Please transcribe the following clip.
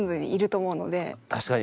確かに。